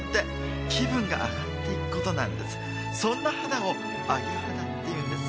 そんな肌をアゲ肌っていうんです。